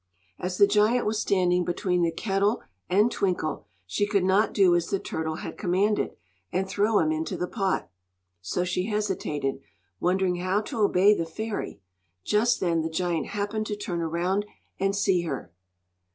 As the giant was standing between the kettle and Twinkle, she could not do as the turtle had commanded, and throw him into the pot. So she hesitated, wondering how to obey the fairy. Just then the giant happened to turn around and see her.